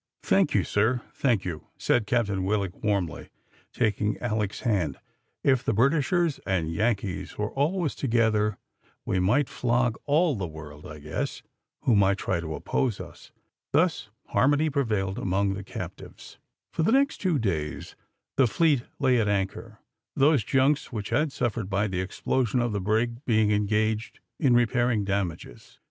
"Thank you, sir, thank you," said Captain Willock warmly, taking Alick's hand. "If the Britishers and Yankees were always together, we might flog all the world, I guess, who might try to oppose us." Thus harmony prevailed among the captives. For the next two days the fleet lay at anchor, those junks which had suffered by the explosion of the brig being engaged in repairing damages.